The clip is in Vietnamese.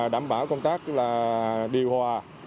đảm bảo công tác điều hòa